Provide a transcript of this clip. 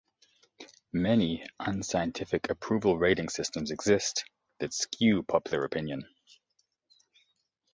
Many unscientific approval rating systems exist that skew popular opinion.